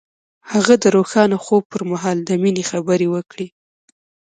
هغه د روښانه خوب پر مهال د مینې خبرې وکړې.